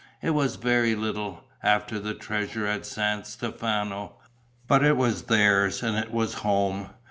It was very little, after the treasures at San Stefano, but it was theirs and it was home.